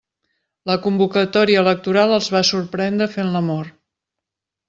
La convocatòria electoral els va sorprendre fent l'amor.